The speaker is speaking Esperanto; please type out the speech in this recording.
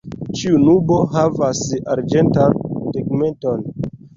Ĉiu nubo havas arĝentan tegmenton.